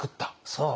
そう。